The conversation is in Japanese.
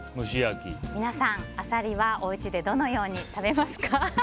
皆さん、アサリはおうちでどのように食べますか？